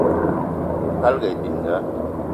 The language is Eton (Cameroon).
Oukalga aye bininga